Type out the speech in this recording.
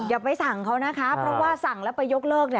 อย่าไปสั่งเขานะคะเพราะว่าสั่งแล้วไปยกเลิก